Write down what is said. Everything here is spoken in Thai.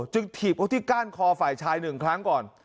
ถีบเขาที่ก้านคอฝ่ายชาย๑ครั้งก่อน